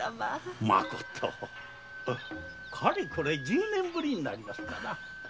まことかれこれ十年ぶりになりますかな。